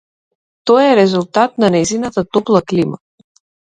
Тоа е резултат на нејзината топла клима.